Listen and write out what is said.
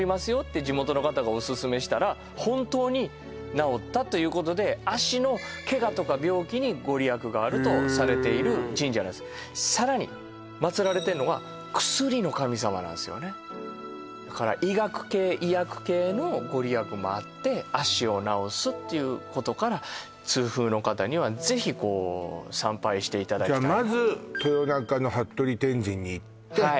地元の方がオススメしたら本当に治ったということで足のケガとかがあるとされている神社なんですさらに祀られてるのが薬の神様なんですよねだから医学系医薬系のご利益もあって足を治すっていうことから痛風の方にはぜひこう参拝していただきたいじゃあ